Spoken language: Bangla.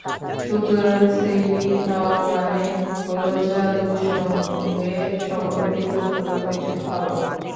সুতরাং সেহরি খাওয়া মানে হলো জাদুর সঙ্গে সম্পর্কিত কোনো কিছু খাওয়া।